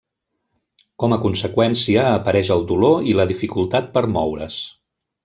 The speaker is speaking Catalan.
Com a conseqüència, apareix el dolor i la dificultat per a moure's.